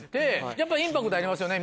やっぱインパクトありますよね